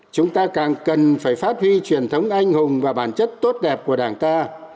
chúng ta càng cần phải phát huy truyền thống anh hùng và bản chất tốt đẹp của đảng ta